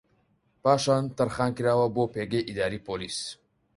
پاشان تەرخان کراوە بۆ پێگەی ئیداریی پۆلیس